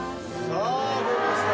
さぁ出ました。